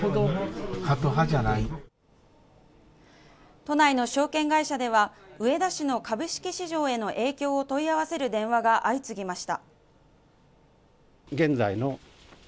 都内の証券会社では植田氏の株式市場への影響を問い合わせる電話が相次ぎました